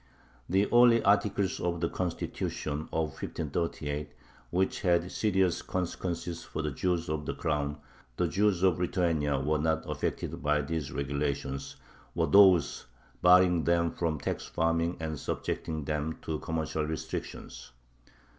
The only articles of the "constitution" of 1538 which had serious consequences for the Jews of the Crown the Jews of Lithuania were not affected by these regulations were those barring them from tax farming and subjecting them to commercial restrictions.